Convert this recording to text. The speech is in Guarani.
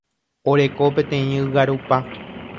Oreko peteĩ ygarupa.